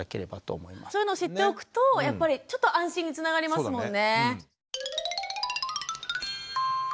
そういうのを知っておくとやっぱりちょっと安心につながりますもんね。